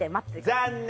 残念！